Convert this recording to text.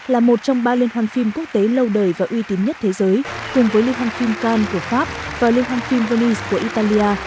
là một trong ba liên hoàn phim quốc tế lâu đời và uy tín nhất thế giới cùng với liên hoàn phim cannes của pháp và liên hoàn phim venice của italia